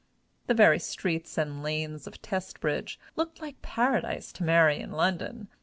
The very streets and lanes of Testbridge looked like paradise to Mary in Lon don.